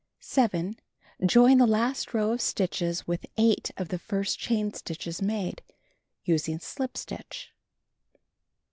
7. Join the last row of stitches with 8 of the first chain stitches made, using slip stitch.